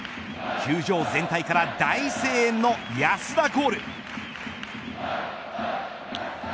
球場全体から大声援の安田コール。